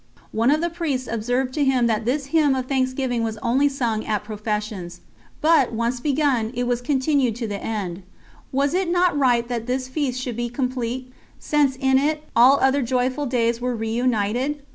_ One of the Priests observed to him that this hymn of thanksgiving was only sung at professions, but, once begun, it was continued to the end. Was it not right that this feast should be complete, since in it all other joyful days were reunited?